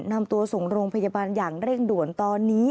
นำตัวส่งโรงพยาบาลอย่างเร่งด่วนตอนนี้